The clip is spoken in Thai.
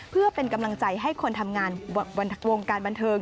เพื่อเป็นกำลังใจให้คนทำงานวงการบันเทิง